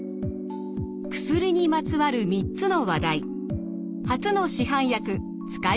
薬にまつわる３つの話題。